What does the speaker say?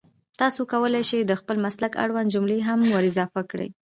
تاسو کولای شئ د خپل مسلک اړونده جملې هم ور اضافه کړئ